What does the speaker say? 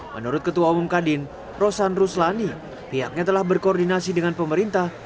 menurut ketua umum kadin rosan ruslani pihaknya telah berkoordinasi dengan pemerintah